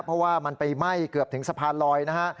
เพราะว่ามันไปไหม้เกือบถึงสะพานลอยนะฮะ